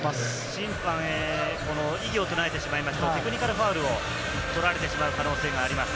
審判へ異議を唱えてしまいますと、テクニカルファウルを取られてしまう可能性があります。